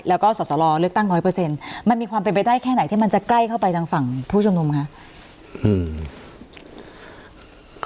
แล้วก็สอสรเลือกตั้งร้อยเปอร์เซ็นต์มันมีความเป็นไปได้แค่ไหนที่มันจะใกล้เข้าไปทางฝั่งผู้ชุมนุมคะ